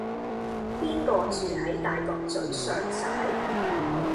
邊個住喺大角嘴尚璽